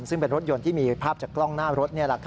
ซึ่งเป็นรถยนต์ที่มีภาพจากกล้องหน้ารถ